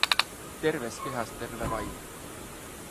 Terves kehas terve vaim.